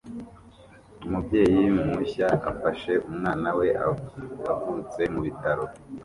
Umubyeyi mushya afashe umwana we wavutse mu bitaro